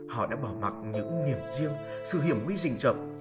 họ đã bỏ mặc những niềm riêng sự hiểm nguy dịnh rập